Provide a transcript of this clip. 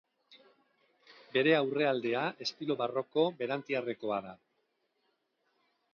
Bere aurrealdea estilo barroko berantiarrekoa da.